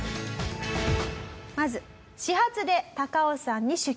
まず始発で高尾山に出勤する。